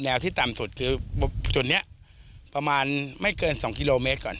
ที่ต่ำสุดคือจุดนี้ประมาณไม่เกิน๒กิโลเมตรก่อน